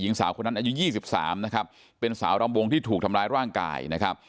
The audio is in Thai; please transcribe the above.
หญิงสาวคนนั้นอายุ๒๓นะครับเป็นสาวรำวงที่ถูกทำร้ายร่างกายนะครับ